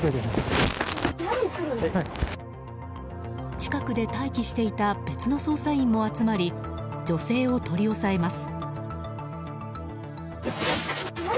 近くで待機していた別の捜査員も集まり女性を取り押さえます。